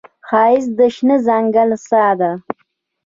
ښایست د شنه ځنګل ساه ده